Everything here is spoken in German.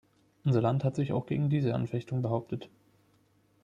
Unser Land hat sich auch gegen diese Anfechtung behauptet.